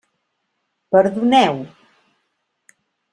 Perdoneu.